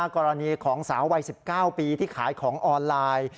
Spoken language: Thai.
กรณีของสาววัย๑๙ปีที่ขายของออนไลน์